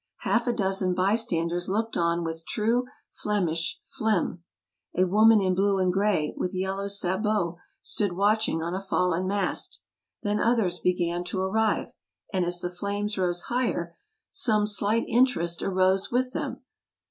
Half a dozen bystanders looked on with true Flemish phlegm. A woman in blue and gray, with yellow sabots, stood watching on a fallen mast. Then others began to arrive, and as the flames rose higher some slight interest arose with them.